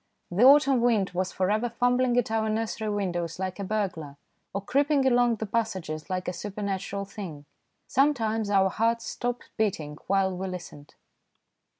The autumn wind was for ever fumbling at our nursery windows like a burglar, or creeping along the passages like a supernatural thing. Sometimes our hearts stopped beating while we listened.